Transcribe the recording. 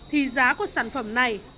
thì giá của sản phẩm này